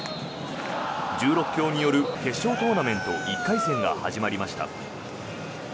１６強による決勝トーナメント１回戦が始まりました。